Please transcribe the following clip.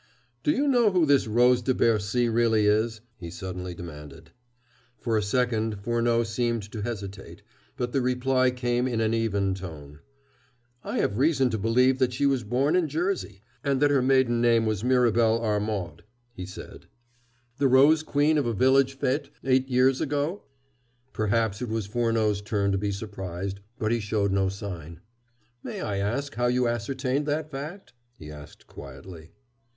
"Do you know who this Rose de Bercy really is?" he suddenly demanded. For a second Furneaux seemed to hesitate, but the reply came in an even tone. "I have reason to believe that she was born in Jersey, and that her maiden name was Mirabel Armaud," he said. "The Rose Queen of a village fête eight years ago?" Perhaps it was Furneaux's turn to be surprised, but he showed no sign. "May I ask how you ascertained that fact?" he asked quietly.